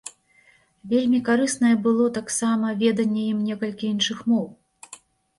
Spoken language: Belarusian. Вельмі карыснае было, таксама, веданне ім некалькіх іншых моў.